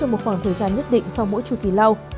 trong một khoảng thời gian nhất định sau mỗi chùa kỳ lâu